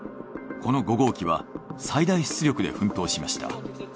この５号機は最大出力で奮闘しました。